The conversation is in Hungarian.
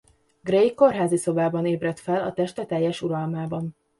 Grey kórházi szobában ébred fel a teste teljes uralmában.